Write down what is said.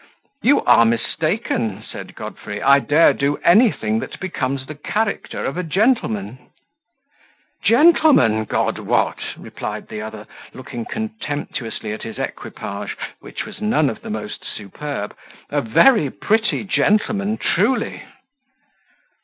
"You are mistaken," said Godfrey; "I dare do anything that becomes the character of a gentleman." "Gentleman, God wot!" replied the other, looking contemptuously at his equipage, which was none of the most superb, "a very pretty gentleman, truly!"